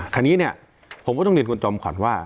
คราวนี้เนี่ยผมก็ต้องเรียนคุณจอมขวัญว่า